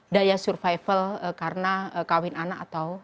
daya survival karena kawin anak atau